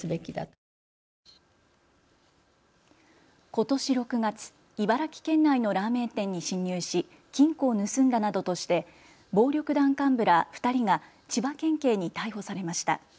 ことし６月、茨城県内のラーメン店に侵入し金庫を盗んだなどとして暴力団幹部ら２人が千葉県警に逮捕されました。